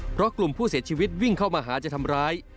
เพราะกลุ่มผู้เสียชีวิตวิ่งเข้ามาหาจะทำร้าย